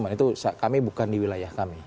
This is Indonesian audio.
itu kami bukan di wilayah kami